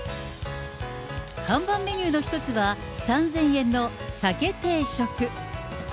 看板メニューの一つは、３０００円の鮭定食。